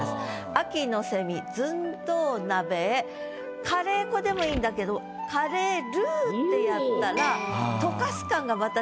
「秋の蝉寸胴鍋へ」「カレー粉」でもいいんだけど「カレールー」ってやったら出ます。